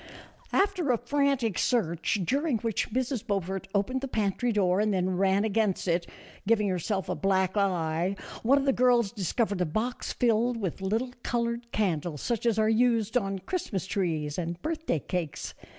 After a frantic search, during which Mrs. Beau fort opened the pantry door and then ran against it, giving herself a black eye, one of the girls discovered a box filled with little colored candles such as are used on Christmas trees and birthday cakes.